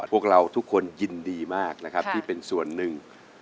พวกเราทุกคนยินดีมากนะครับที่เป็นส่วนหนึ่ง